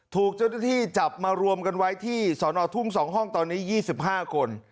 ถูกเจ้าหน้าที่จับมารวมกันไว้ที่สอนอทุ่ง๒ห้องตอนนี้๒๕คน